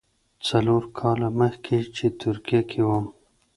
څلور کاله مخکې چې ترکیه کې وم.